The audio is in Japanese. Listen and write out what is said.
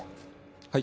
はい。